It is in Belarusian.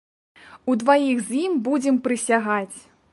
Удваіх з ім будзем прысягаць!